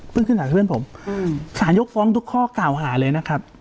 ขึ้นหาเพื่อนผมสารยกฟ้องทุกข้อกล่าวหาเลยนะครับ